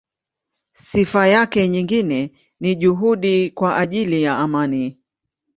Sifa yake nyingine ni juhudi kwa ajili ya amani.